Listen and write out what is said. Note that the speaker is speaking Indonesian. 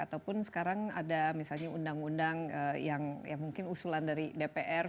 ataupun sekarang ada misalnya undang undang yang mungkin usulan dari dpr